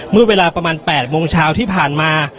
เมื่อเวลาประมาณ๘โมงเช้าที่ผ่านมา